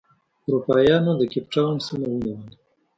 اروپا یانو د کیپ ټاون سیمه ونیوله.